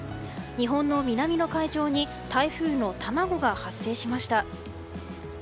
日本の南の海上に台風のたまごが発生しました。